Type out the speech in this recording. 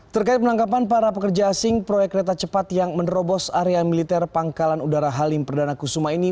terkait penangkapan para pekerja asing proyek kereta cepat yang menerobos area militer pangkalan udara halim perdana kusuma ini